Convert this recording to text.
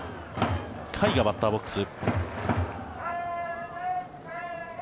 甲斐がバッターボックス。